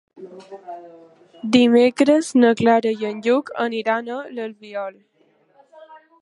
Dimecres na Clara i en Lluc aniran a l'Albiol.